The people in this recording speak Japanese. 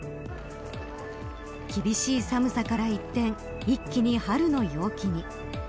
厳しい寒さから一転一気に春の陽気に。